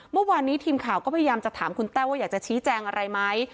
เมื่อวานนี้ทีมข่าวก็พยายามจะถามคุณแต้วว่าอยากจะชี้แจงอะไรไหม